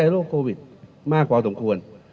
โรคโควิดมากพอสมควร